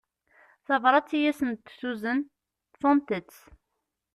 Tabrat i asent-d-tuzen ṭṭfent-tt.